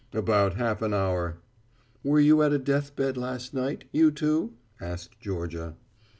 "About half an hour." "Were you at a deathbed last night, you two?" asked Georgia.